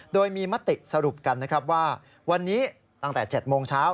โดยมีมติสรุปกันนะครับว่าวันนี้ตั้งแต่๗โมงเช้า